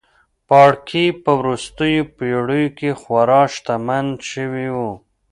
پاړکي په وروستیو پېړیو کې خورا شتمن شوي وو.